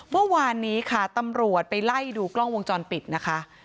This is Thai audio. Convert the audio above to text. เมื่อวานนี้ค่ะตำรวจไปไล่ดูกล้องวงจรปิดนะคะ